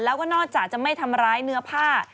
แล้วก็นอกจากจะไม่ทำร้ายเนื้อผ้า